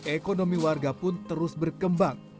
ekonomi warga pun terus berkembang